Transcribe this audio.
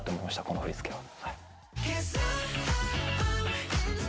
この振り付けは。